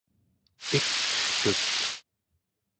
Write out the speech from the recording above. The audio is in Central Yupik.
ikgetut